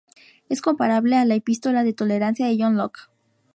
Es comparable a la Epístola de Tolerancia de John Locke.